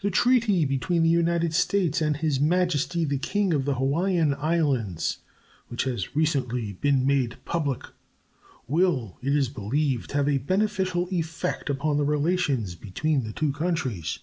The treaty between the United States and His Majesty the King of the Hawaiian Islands, which has recently been made public, will, it is believed, have a beneficial effect upon the relations between the two countries.